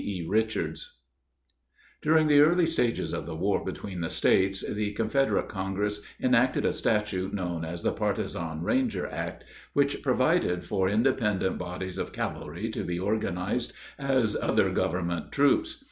E. RICHARDS During the early stages of the war between the States, the Confederate Congress enacted a statute known as the Partizan Ranger Act, which provided for independent bodies of cavalry to be organized as other government troops.